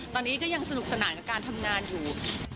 ตอนนี้ก็ยังสนุกสนานกับการทำงานอยู่